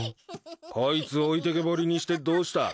こいつ置いてけぼりにしてどうした？